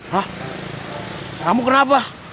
hah kamu kenapa